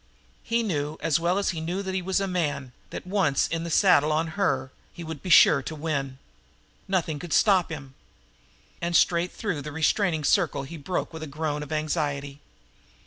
He knew, as well as he knew that he was a man, that, once in the saddle on her, he would be sure to win. Nothing could stop him. And straight through the restraining circle he broke with a groan of anxiety.